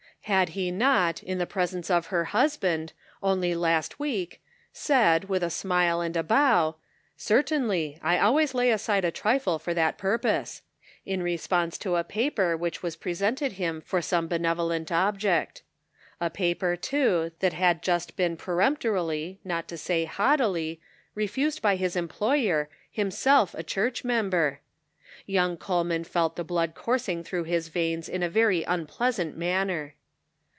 Had he not, in the presence of her husband, only last week, said, with a smile and a bow, " Cer tainly, I always lay aside a trifle for that pur pose," in response to a paper which was pre sented him for some benevolent object. A paper, too, that had just been peremptorily, not to say haughtily, refused by his employer, him self a church member? Young Coleman felt the blood coursing through his veins in a very unpleasant manner.